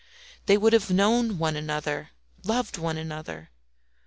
They would have known one another, loved one another.